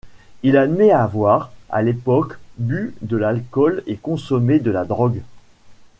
Il admet avoir, à l'époque, bu de l'alcool et consommé de la drogue.